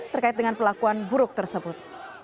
terkait dengan pelakuan buruk tersebut